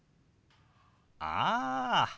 ああ。